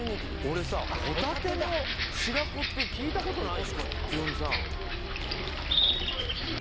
俺さホタテの白子って聞いたことないよヒロミさん